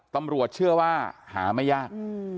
ตำรวจเชื่อว่าหาไม่ยาก